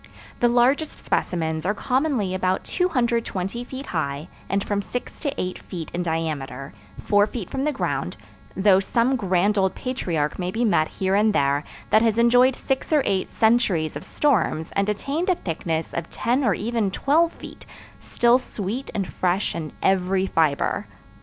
The largest specimens are commonly about 220 feet high and from six to eight feet in diameter four feet from the ground, though some grand old patriarch may be met here and there that has enjoyed six or eight centuries of storms and attained a thickness of ten or even twelve feet, still sweet and fresh in every fiber.